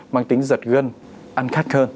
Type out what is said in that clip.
mang tính giật gân ăn khát hơn